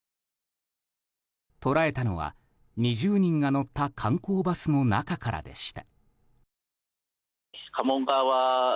捉えたのは、２０人が乗った観光バスの中からでした。